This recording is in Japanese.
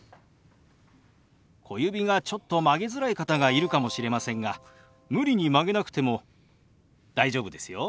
小指がちょっと曲げづらい方がいるかもしれませんが無理に曲げなくても大丈夫ですよ。